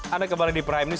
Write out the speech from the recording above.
anda kembali di prime news